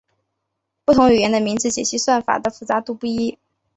不同语言的名字解析算法的复杂度不同。